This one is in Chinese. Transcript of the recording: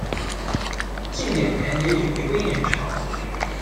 近点年也比回归年长。